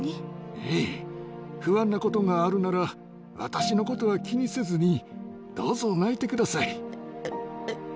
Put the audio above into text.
ええ、不安なことがあるなら、私のことは気にせずに、どうぞ泣いてください。